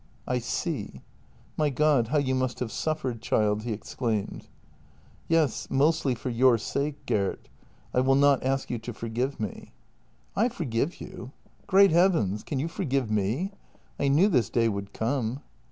" I see. My God, how you must have suffered, child! " he exclaimed. " Yes, mostly for your sake, Gert. I will not ask you to forgive me." " I forgive you? Great heavens! Can you forgive me? I knew this day would come."